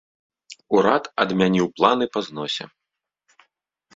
Урад адмяніў планы па зносе.